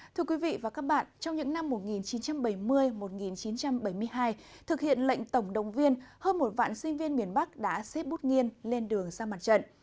trong những năm một nghìn chín trăm bảy mươi một nghìn chín trăm bảy mươi hai thực hiện lệnh tổng đồng viên hơn một vạn sinh viên miền bắc đã xếp bút nghiên lên đường sang mặt trận